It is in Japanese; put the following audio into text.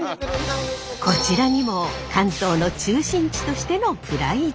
こちらにも関東の中心地としてのプライドが。